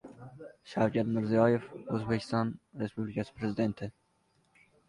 Shavkat Mirziyoyev: «Tadbirkorlik nizolarini sudgacha hal qilish kerak»